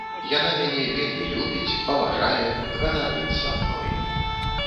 Яна мяне вельмі любіць, паважае, ганарыцца мной.